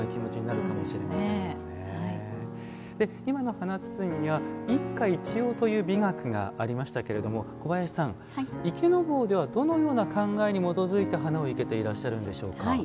今の華包は「一花一葉」という美学がありましたけれども小林さん、池坊ではどのような考えに基づいて花を生けていらっしゃるんでしょうか。